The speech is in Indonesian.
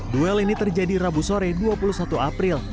duel ini terjadi rabu sore dua puluh satu april